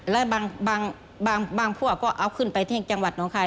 และบางพวกก็เอาขึ้นไปที่จังหวัดน้องคาย